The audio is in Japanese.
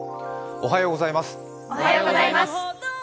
おはようございます。